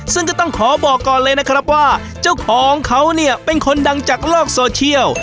ซึ่งก็ต้องขอบอกก่อนเลยนะครับว่าเจ้าของเขาเนี่ยเป็นคนดังจากโลกโซเชียล